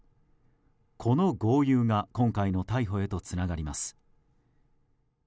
この豪遊が今回の逮捕へとつながります。